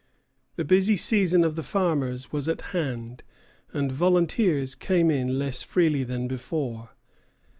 The busy season of the farmers was at hand, and volunteers came in less freely than before.